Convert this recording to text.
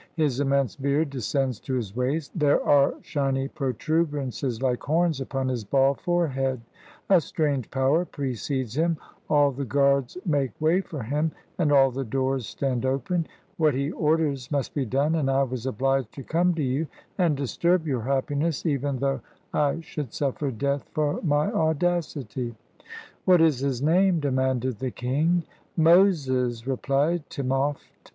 His immense beard descends to his waist; there are shiny protuberances like horns upon his bald forehead. A strange power precedes him; all the guards make way for him, and all the doors stand open. What he orders must be done; and I was obliged to come to you and disturb your happiness, even though I should sufTer death for my audacity." "What is his name?" demanded the king. "Moses," replied Timopht.